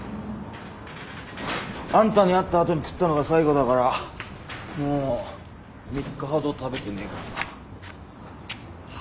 あんたに会ったあとに食ったのが最後だからもう３日ほど食べてねぇかもな。は？